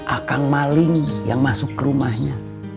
akang maling yang masuk ke rumahnya